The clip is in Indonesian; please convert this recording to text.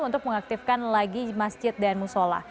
untuk mengaktifkan lagi masjid dan musola